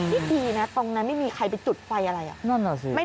นี่ดีนะตรงนั้นไม่มีใครไปจุดไฟอะไรอ่ะสิ